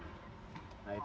nah itu dataran banjir